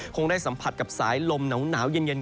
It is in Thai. คงได้สัมผัสกับสายลมหนาวเย็น